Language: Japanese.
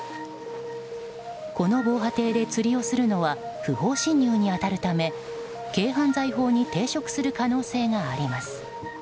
この防波堤で釣りをするのは不法侵入に当たるため軽犯罪法に抵触する可能性があります。